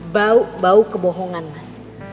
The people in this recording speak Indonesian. bau bau kebohongan mas